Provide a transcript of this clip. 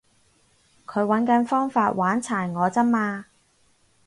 佢搵緊方法玩殘我咋嘛